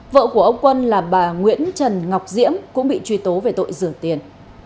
vợ của ông quân là bà nguyễn trần ngọc diễm cũng bị truy tố về tội rửa tiền